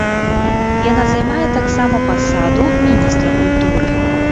Яна займае таксама пасаду міністра культуры.